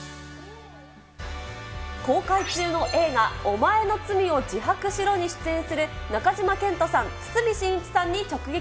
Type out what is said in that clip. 公開中の映画、おまえの罪を自白しろに出演する中島健人さん、堤真一さんに直撃。